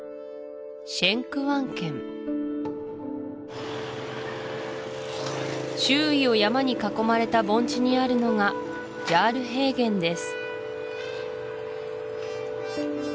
シェンクワン県周囲を山に囲まれた盆地にあるのがジャール平原です